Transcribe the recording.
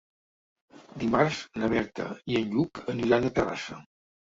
Dimarts na Berta i en Lluc aniran a Terrassa.